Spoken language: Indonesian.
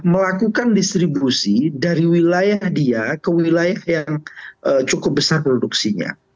melakukan distribusi dari wilayah dia ke wilayah yang cukup besar produksinya